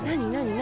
何？